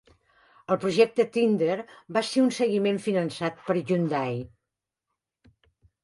El projecte "Thunder" va ser un seguiment finançat per Hyundai.